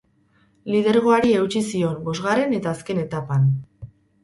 Lidergoari eutsi zion bosgarren eta azken etapan.